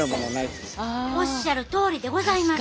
おっしゃるとおりでございます。